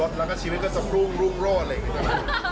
บทแล้วก็ชีวิตก็จะพรุ่งรุ่มรอดอะไรอย่างนี้ครับ